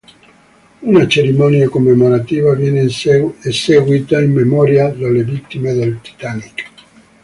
Una cerimonia commemorativa viene eseguita in memoria delle vittime del "Titanic".